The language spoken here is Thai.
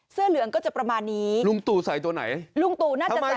เสื้อเหลืองก็จะประมาณนี้ลุงตู่ใส่ตัวไหนลุงตู่น่าจะใส่